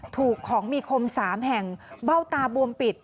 ถูกของมีคม๓แห่งเบ้าตาบวมปิด